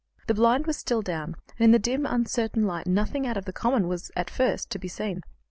The blind was still down, and in the dim, uncertain light nothing out of the common was, at first, to be seen.